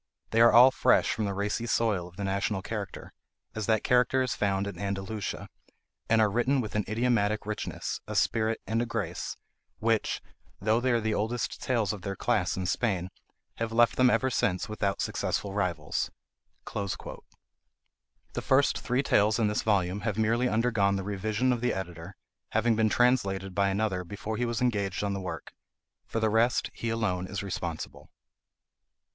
They are all fresh from the racy soil of the national character, as that character is found in Andalusia, and are written with an idiomatic richness, a spirit, and a grace, which, though they are the oldest tales of their class in Spain, have left them ever since without successful rivals." The first three tales in this volume have merely undergone the revision of the editor, having been translated by another before he was engaged on the work. For the rest he alone is responsible.